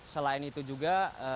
selain itu juga